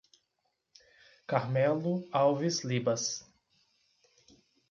Carmelo Alves Libas